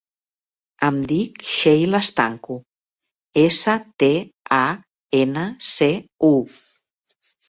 Em dic Sheila Stancu: essa, te, a, ena, ce, u.